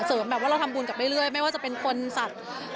แบบว่าเราทำบุญกับเรื่อยไม่ว่าจะเป็นคนสัตว์